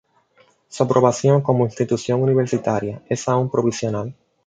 Su aprobación como institución universitaria es aún provisional.